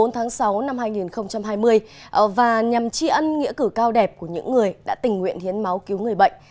một mươi tháng sáu năm hai nghìn hai mươi và nhằm tri ân nghĩa cử cao đẹp của những người đã tình nguyện hiến máu cứu người bệnh